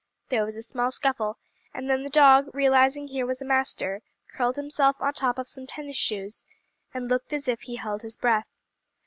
There was a small scuffle; and then the dog, realizing here was a master, curled himself on top of some tennis shoes, and looked as if he held his breath.